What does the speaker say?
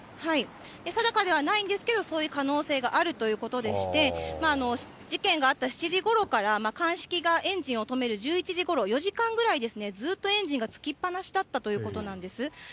定かではないんですけど、そういう可能性があるということでして、事件があった７時ごろから、鑑識がエンジンを止める１１時ごろ、４時間ぐらい、ずっとエンジンがつきっ放しだったということなんです。